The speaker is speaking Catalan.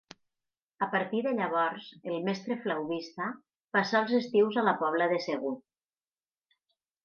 A partir de llavors, el mestre fauvista passà els estius a la Pobla de Segur.